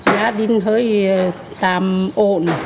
gia đình hơi tàm ổn